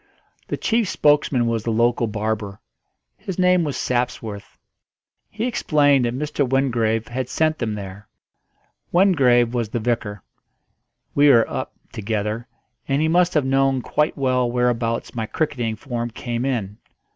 The chief spokesman was the local barber; his name was Sapsworth. He explained that Mr. Wingrave had sent them there. Wingrave was the vicar; we were "up" together, and he must have known quite well whereabouts my cricketing form came in.